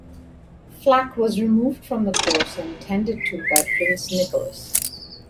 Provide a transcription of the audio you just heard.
Flack was removed from the course and tended to by Prince Nicholas.